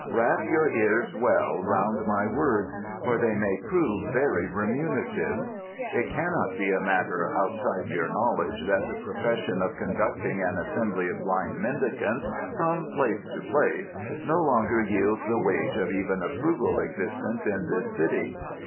"Wrap your ears well round my words, for they may prove very remunerative. It cannot be a matter outside your knowledge that the profession of conducting an assembly of blind mendicants from place to place no longer yields the wage of even a frugal existence in this city.